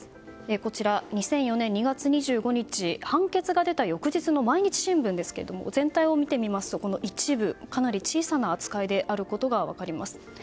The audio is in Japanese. こちら、２００４年２月２５日判決が出た翌日の毎日新聞ですけども全体を見てみますと、一部かなり小さな扱いであることが分かります。